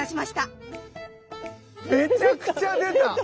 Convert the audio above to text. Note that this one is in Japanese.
めちゃくちゃ出た！